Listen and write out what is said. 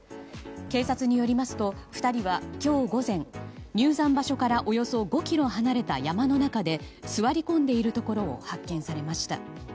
警察によりますと２人は今日午前入山場所からおよそ５ｋｍ離れた山の中で座り込んでいるところを発見されました。